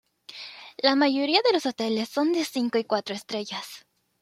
La mayoría de los hoteles son de cinco y cuatro estrellas.